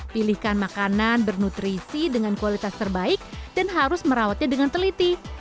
pilihkan makanan bernutrisi dengan kualitas terbaik dan harus merawatnya dengan teliti